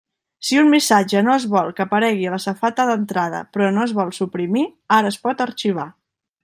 Si un missatge no es vol que aparegui a la safata d'entrada però no es vol suprimir, ara es pot arxivar.